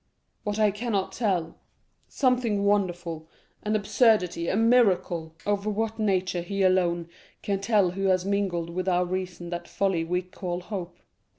What I cannot tell,—something wonderful, an absurdity, a miracle,—of what nature he alone can tell who has mingled with our reason that folly we call hope.